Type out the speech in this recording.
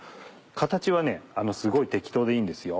形はすごい適当でいいんですよ。